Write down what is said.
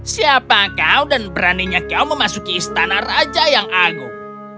siapa kau dan beraninya kau memasuki istana raja yang agung